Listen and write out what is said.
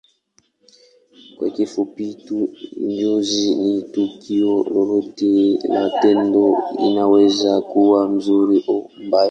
Kwa kifupi tu Njozi ni tukio lolote la ndoto inaweza kuwa nzuri au mbaya